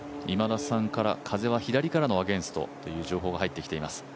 今田さんから風は左からのアゲンストという情報が入ってきています。